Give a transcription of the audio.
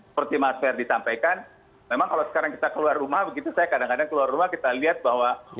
seperti mas ferdi sampaikan memang kalau sekarang kita keluar rumah begitu saya kadang kadang keluar rumah kita lihat bahwa